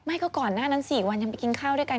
ไม่ก็ก่อนหน้านั้น๔วันยังไปกินข้าวด้วยกัน